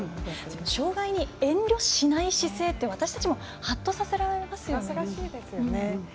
障がいに遠慮しない姿勢って私たちもはっとさせられますよね。